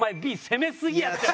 攻めすぎやって。